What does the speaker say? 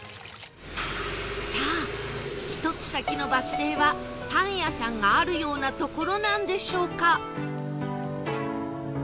さあ１つ先のバス停はパン屋さんがあるような所なんでしょうか？